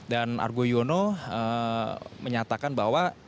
dan argo yono menyatakan bahwa